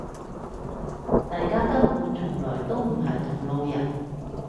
大家根本從來都唔係同路人